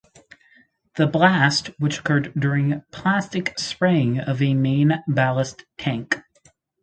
The blast, which occurred during plastic spraying of a main ballast tank.